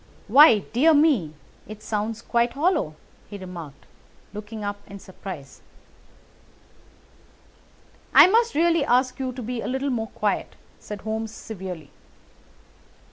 "Why, dear me, it sounds quite hollow!" he remarked, looking up in surprise. "I must really ask you to be a little more quiet!" said Holmes severely.